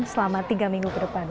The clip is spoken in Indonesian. selama tiga minggu ke depan